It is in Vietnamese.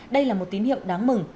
đây là một tín hiệu đáng mừng